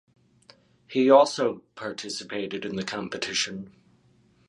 He also participated in the competition.